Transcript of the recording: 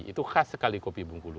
itu khas sekali kopi bengkulu